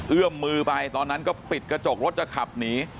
เอื้อมมือไปตอนนั้นก็ปิดกระจกรถจะขับหนี